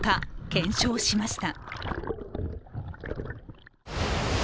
検証しました。